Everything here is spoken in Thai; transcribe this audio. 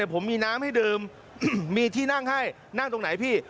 ผมมีน้ำให้ดื่มมีที่นั่งให้นั่งตรงไหนพี่